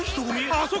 あそこ！